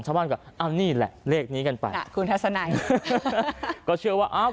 ชาวบ้านก็เอานี่แหละเลขนี้กันไปค่ะคุณทัศนัยก็เชื่อว่าอ้าว